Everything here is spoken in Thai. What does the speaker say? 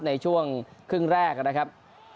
ในช่วงครึ่งแรกนะครับ